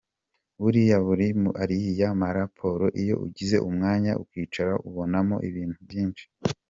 Buriya muri ariya maraporo iyo ugize umwanya ukicara ubonamo ibintu byinshi.